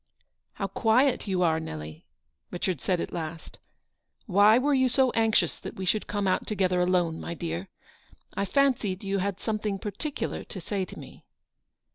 " How quiet you are, Nelly," Richard said at last ;" why were you so anxious that we should come out together alone, my dear ? I fancied you had something particular to say to me."